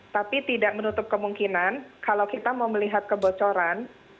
tapi tidak menutup kemungkinan kalau kita mau melihat kebocoran